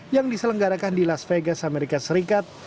yang diselenggarakan di las vegas amerika serikat